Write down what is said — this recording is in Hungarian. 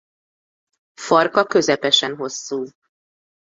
Farka közepesen hosszú.